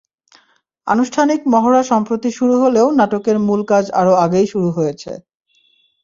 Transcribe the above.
আনুষ্ঠানিক মহড়া সম্প্রতি শুরু হলেও নাটকের মূল কাজ আরও আগেই শুরু হয়েছে।